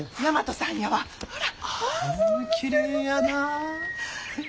きれいやなあ。